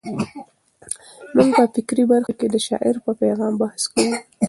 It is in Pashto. موږ په فکري برخه کې د شاعر په پیغام بحث کوو.